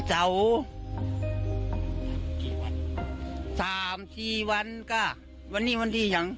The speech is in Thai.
อ๋อ๑๐เส้นวัน